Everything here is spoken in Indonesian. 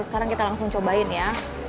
sekarang kita langsung cobain ya